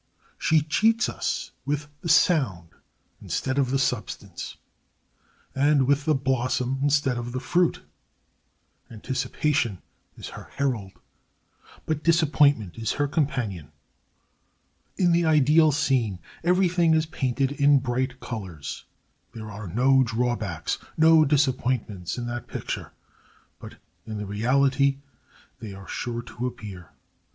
She cheats us with the sound instead of the substance, and with the blossom instead of the fruit. Anticipation is her herald, but disappointment is her companion. In the ideal scene every thing is painted in bright colors. There are no drawbacks, no disappointments, in that picture, but in the reality they are sure to appear.